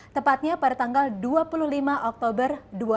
tepatnya pada tanggal dua puluh lima oktober dua ribu dua puluh